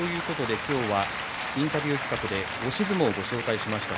インタビュー企画では押し相撲をご紹介しました。